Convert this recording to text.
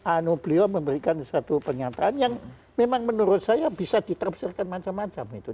anu beliau memberikan suatu pernyataan yang memang menurut saya bisa ditafsirkan macam macam itu